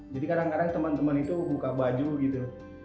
jadi kadang kadang teman teman itu buka baju gitu